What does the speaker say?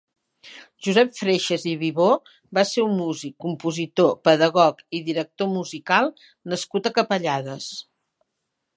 Josep Freixas i Vivó va ser un músic, compositor, pedagog i director musical nascut a Capellades.